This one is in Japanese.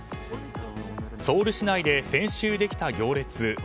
ソウル市内で先週できた行列。